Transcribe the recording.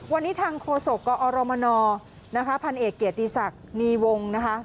วันนี้ทางโฆษกกอรมนนะคะพันเอกเกียรติศักดิ์นีวงนะคะ